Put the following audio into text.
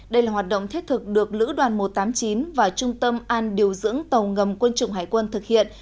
đây là hoạt động thiết thực được lữ đoàn một trăm tám mươi chín và trung tâm an điều dưỡng tàu ngầm quân chủng hải quân thực hiện